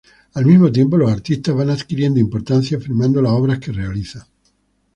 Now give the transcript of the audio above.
Al mismo tiempo los artistas van adquiriendo importancia firmando las obras que realizan.